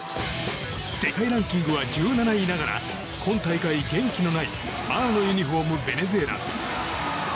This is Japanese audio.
世界ランキングは１７位ながら今大会、元気のない青のユニホーム、ベネズエラ。